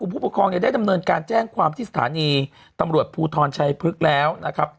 ผู้ปกครองเนี่ยได้ดำเนินการแจ้งความที่สถานีตำรวจภูทรชัยพฤกษ์แล้วนะครับ